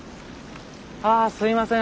あすいません